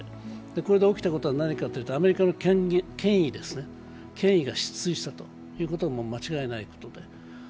これで起きたことは何かというとアメリカの権威が失墜したということはもう間違いないんで。